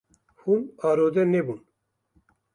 Hûn arode nebûn.